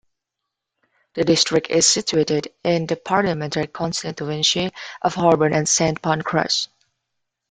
The district is situated in the parliamentary constituency of Holborn and Saint Pancras.